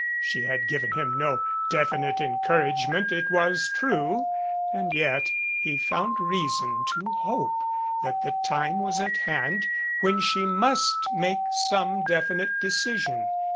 She had given him no definite encouragement, it was true, and yet he found reasons to hope that the time was at hand when she must make some definite decision.